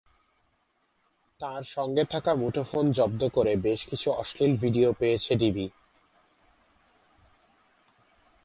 তাঁর সঙ্গে থাকা মুঠোফোন জব্দ করে বেশ কিছু অশ্লীল ভিডিও পেয়েছে ডিবি।